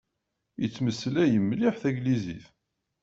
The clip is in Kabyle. Yettmeslay mliḥ taglizit.